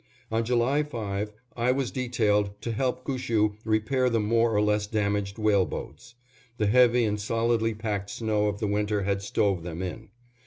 On July 5, I was detailed to help Gushue repair the more or less damaged whale boats. The heavy and solidly packed snow of the winter had stove them in.